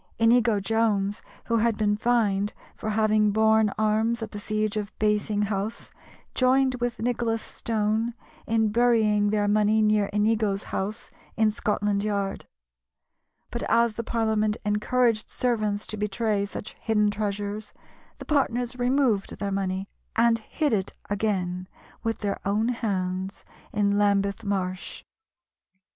Inigo Jones, who had been fined for having borne arms at the siege of Basing House, joined with Nicholas Stone in burying their money near Inigo's house in Scotland Yard; but as the Parliament encouraged servants to betray such hidden treasures, the partners removed their money and hid it again with their own hands in Lambeth Marsh.